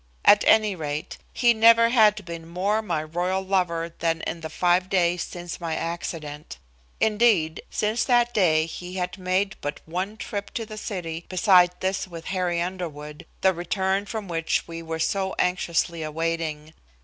At any rate, he never had been more my royal lover than in the five days since my accident. Indeed, since that day he had made but one trip to the city beside this with Harry Underwood, the return from which we were so anxiously awaiting.